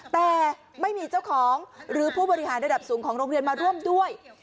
แต่ไม่มีเจ้าของหรือผู้บริหารระดับสูงของโรงเรียนมาร่วมด้วย